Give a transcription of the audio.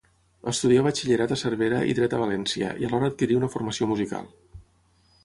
Estudià batxillerat a Cervera i dret a València, i alhora adquirí una formació musical.